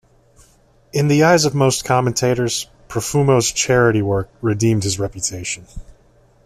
In the eyes of most commentators, Profumo's charity work redeemed his reputation.